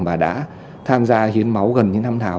mà đã tham gia hiến máu gần những năm nào